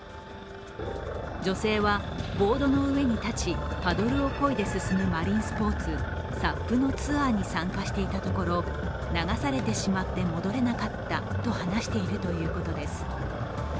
女性は、ボードの上に立ちパドルをこいで進むマリンスポーツＳＵＰのツアーに参加していたところ流されてしまって戻れなかったと話しているということです。